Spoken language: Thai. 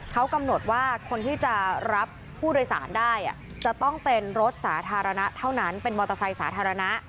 เขากำหนดว่าคนที่จะรับผู้โดยสารได้จะต้องเป็นรถสาธารณะเท่านั้นเป็นมอเตอร์ไซค์สาธารณะ